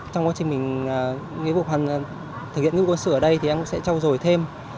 trong quá trình mình nghĩa vụ thực hiện những cơ sở ở đây thì em cũng sẽ trau dồi thêm